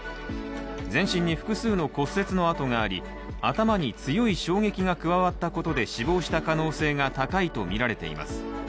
全身に複数の骨折の跡があり、頭に強い衝撃が加わったことで死亡した可能性が高いとみられています。